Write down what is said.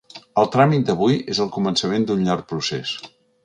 El tràmit d’avui és el començament d’un llarg procés.